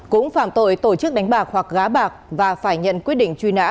cũng phạm tội tổ chức đánh bạc hoặc gá bạc và phải nhận quyết định truy nã